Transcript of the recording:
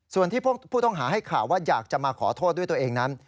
ส่วนที่ผู้ต้องหาให้ข่าวว่าอยากจะมาขอโทษด้วยตัวเองนั้น